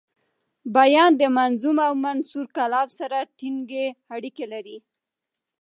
بیان د منظوم او منثور کلام سره ټینګي اړیکي لري.